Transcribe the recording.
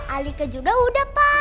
alika juga udah pa